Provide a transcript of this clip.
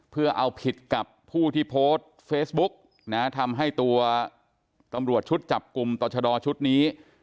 เพื่อเอาผิดกับผู้ที่โพสต์เฟซบุ๊กนะทำให้ตัวตำรวจชุดจับกลุ่มต่อชะดอชุดนี้